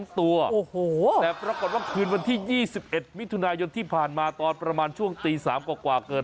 ตัวแต่ปรากฏว่าคืนวันที่๒๑มิถุนายนที่ผ่านมาตอนประมาณช่วงตี๓กว่าเกิด